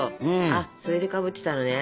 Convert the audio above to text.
あっそれでかぶってたのね。